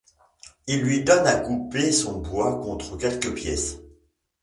Il lui donne à couper son bois contre quelques pièces.